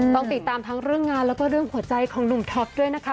ต้องติดตามทั้งเรื่องงานแล้วก็เรื่องหัวใจของหนุ่มท็อปด้วยนะคะ